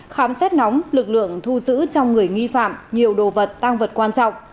khám xét nóng lực lượng thu giữ trong người nghi phạm nhiều đồ vật tăng vật quan trọng